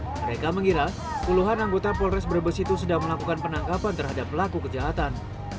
mereka mengira puluhan anggota polres brebes itu sedang melakukan penangkapan terhadap pelaku kejahatan